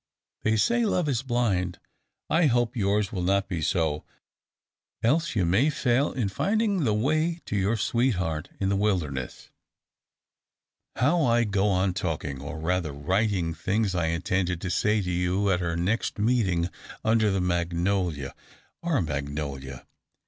They say Love is blind. I hope, yours will not be so: else you may fail in finding the way to your sweetheart in the wilderness. "How I go on talking, or rather writing, things I intended to say to you at our next meeting tinder the magnolia our magnolia!